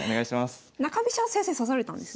中飛車先生指されたんですね。